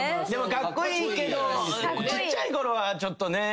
カッコイイけどちっちゃい頃はちょっとねあれかも。